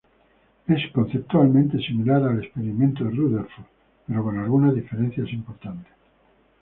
Es conceptualmente similar al Experimento de Rutherford, pero con algunas diferencias importantes.